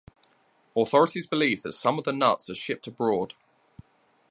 Authorities believe that some of the nuts are shipped abroad.